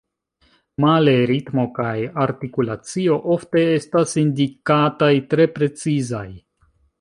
Male ritmo kaj artikulacio ofte estas indikataj tre precizaj.